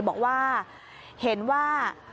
บอกว่าเห็นว่า